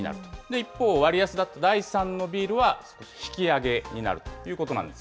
一方、割安だった第３のビールは少し引き上げになるということなんです